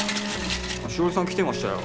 しおりさん来てましたよ